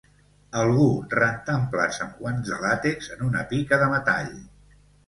Algú rentant plats amb guants de làtex en una pica de metall.